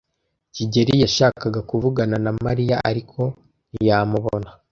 kigeli yashakaga kuvugana na Mariya, ariko ntiyamubona.